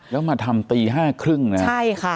แล้วมาทำตี๕๓๐ใช่ค่ะ